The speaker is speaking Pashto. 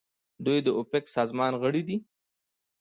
دوی د اوپک سازمان غړي دي.